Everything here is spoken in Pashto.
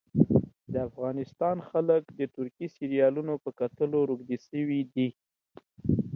د افغانستان خلک د ترکي سیریالونو په کتلو روږدي سوي دي